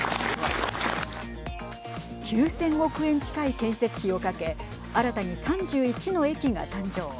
９０００億円近い建設費をかけ新たに３１の駅が誕生。